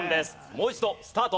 もう一度スタート。